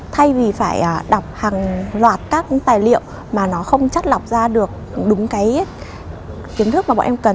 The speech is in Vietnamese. thay vì phải đọc hàng loạt các tài liệu mà nó không chắt lọc ra được đúng cái kiến thức mà bọn em cần